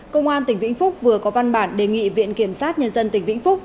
công an tỉnh vĩnh phúc vừa có văn bản đề nghị viện kiểm sát nhân dân tỉnh vĩnh phúc